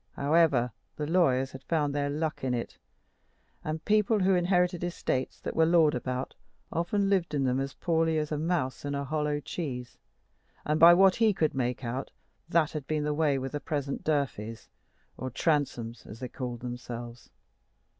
However, the lawyers had found their luck in it; and people who inherited estates that were lawed about often lived in them as poorly as a mouse in a hollow cheese; and, by what he could make out, that had been the way with these present Durfeys, or Transomes, as they called themselves.